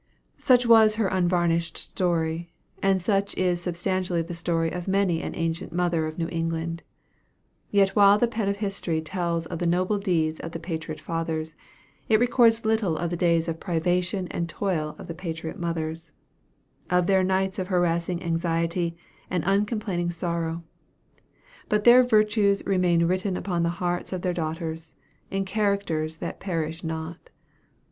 Such was her unvarnished story; and such is substantially the story of many an ancient mother of New England. Yet while the pen of history tells of the noble deeds of the patriot fathers, it records little of the days of privation and toil of the patriot mothers of their nights of harassing anxiety and uncomplaining sorrow. But their virtues remain written upon the hearts of their daughters, in characters that perish not.